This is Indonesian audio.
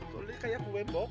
jadi saya mau pergi pak